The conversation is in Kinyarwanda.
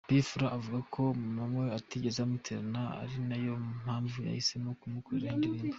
P Fla avuga ko Mama we atigeze amutererana ari nayo mpamvu yahisemo kumukorera indirimbo.